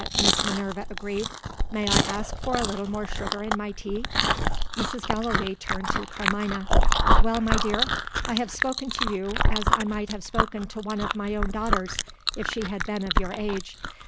Miss Minerva agreed. "May I ask for a little more sugar in my tea?" Mrs. Gallilee turned to Carmina. "Well, my dear? I have spoken to you, as I might have spoken to one of my own daughters, if she had been of your age.